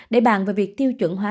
để bàn về việc tiêu chuẩn hóa